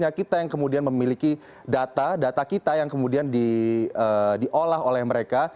sehingga kita yang kemudian memiliki data data kita yang kemudian diolah oleh mereka